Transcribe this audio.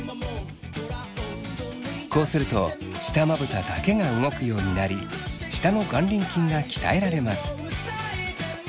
こうすると下まぶただけが動くようになり下の眼輪筋が鍛えられます。